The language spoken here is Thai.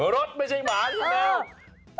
รถไม่ใช่หมาใช่ไหมแมว